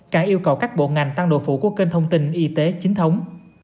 càng yêu cầu các bộ ngành tăng độ phủ của kênh thông tin y tế chính thống